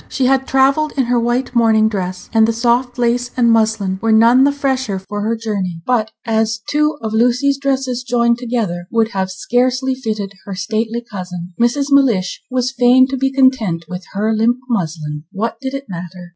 She had travelled in her white morning dress, and the soft lace and muslin were none the fresher for her journey; but as two of Lucy's dresses joined together would have scarcely fitted her stately cousin, Mrs. Mellish was fain to be content with her limp muslin. What did it matter?